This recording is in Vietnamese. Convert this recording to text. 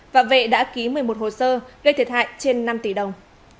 và vệ đã ký một mươi một hồ sơ gây thiệt hại trên năm tỷ đồng